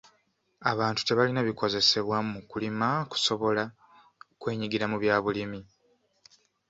Abantu tebalina bikozesebwa mu kulima kusobola kwenyigira mu bya bulimi.